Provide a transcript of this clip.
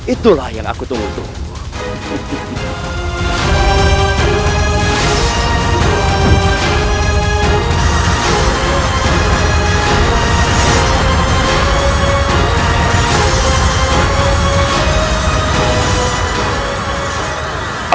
itulah yang aku tunggu tunggu